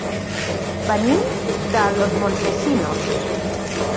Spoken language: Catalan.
Venim de Los Montesinos.